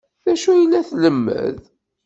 D acu ay la tlemmed?